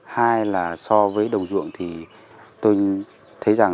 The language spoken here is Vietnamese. hai là so với đồng ruộng thì tôi thấy rằng